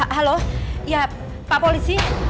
halo ya pak polisi